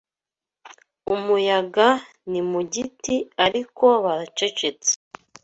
umuyaga ni mu giti, Ariko baracecetse